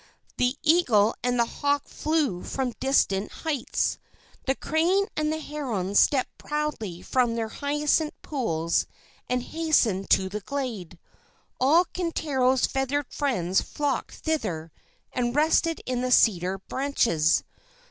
The eagle and the hawk flew from distant heights. The crane and the heron stepped proudly from their hyacinth pools and hastened to the glade. All Kintaro's feathered friends flocked thither and rested in the cedar branches.